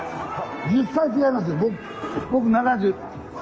僕７０。